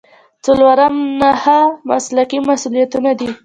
څلورم نهه مسلکي مسؤلیتونه دي.